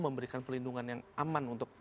memberikan pelindungan yang aman untuk